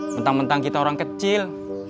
mentang mentang kita orang kecil